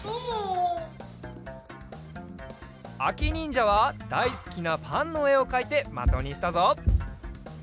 あきにんじゃはだいすきなパンのえをかいてまとにしたぞ。